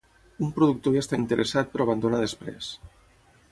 Un productor hi està interessat però abandona després.